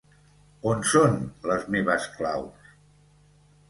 On son les meves claus?